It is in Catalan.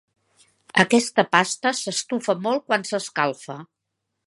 Aquesta pasta s'estufa molt quan s'escalfa.